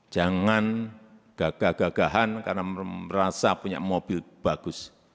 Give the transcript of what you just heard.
jangan gagah gagahan karena merasa punya mobil bagus